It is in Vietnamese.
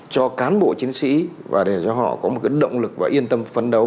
cho cán bộ chiến sĩ và để cho họ có một cái động lực và yên tâm phấn đấu